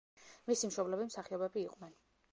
მისი მშობლები მსახიობები იყვნენ.